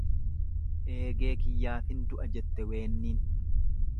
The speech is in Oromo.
Eegee kiyyaafin du'a jette weennin.